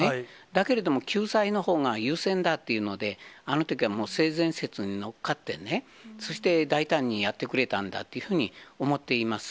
だけれども、救済のほうが優先だというので、あのときはもう性善説に乗っかってね、そして大胆にやってくれたんだというふうに思っています。